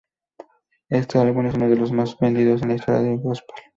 Éste álbum es uno de los más vendidos en la historia del gospel.